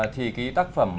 thì cái tác phẩm